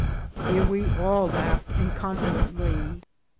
Here we all laughed incontinently.